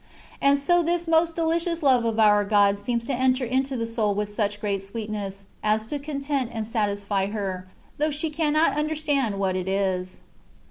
And so this most delicious love of our God seems to enter into the soul with such great sweetness, as to content and satisfy her, though she cannot understand what it is.